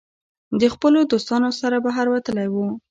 د خپلو دوستانو سره بهر وتلی وو